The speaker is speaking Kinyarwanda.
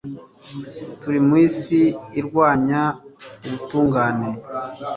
Turi mu isi irwanya ubutungane